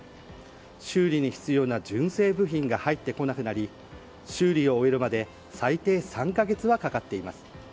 修理に必要な純正部品が入ってこなくなり修理を終えるまで最低３か月はかかっています。